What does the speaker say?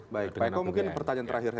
pak eko mungkin pertanyaan terakhir